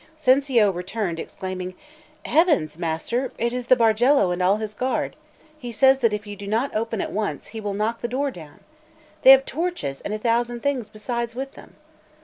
Cencio returned, exclaiming: "Heavens, master! it is the Bargello and all his guard; and he says that if you do not open at once, he will knock the door down. They have torches, and a thousand things besides with them!"